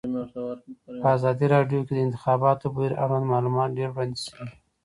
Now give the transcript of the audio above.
په ازادي راډیو کې د د انتخاباتو بهیر اړوند معلومات ډېر وړاندې شوي.